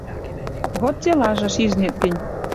Вот делажы, шижнет гӹнь...»